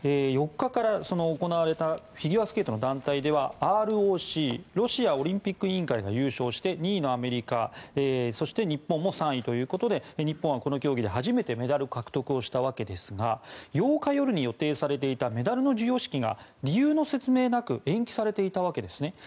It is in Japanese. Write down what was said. ４日から行われたフィギュアスケートの団体ではＲＯＣ・ロシアオリンピック委員会が優勝して２位がアメリカそして日本も３位ということで日本は、この競技で初めてメダル獲得したわけですが８日夜に予定されていたメダルの授与式が理由の説明なく延期されていたわけです。